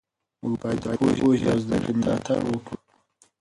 موږ باید د پوهې او زده کړې ملاتړ وکړو.